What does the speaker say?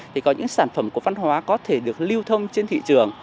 thì có những sản phẩm của văn hóa có thể được lưu thông trên thị trường